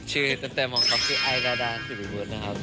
ชื่อตั้งแต่มองเขาพี่ไอด่าซิริวุฒินะครับ